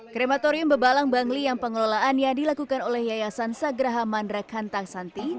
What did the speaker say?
krematorium bebalang bangli yang pengelolaannya dilakukan oleh yayasan sagraha mandrak hantang santi